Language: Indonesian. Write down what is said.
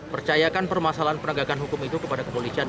percayakan permasalahan penegakan hukum itu kepada kepolisian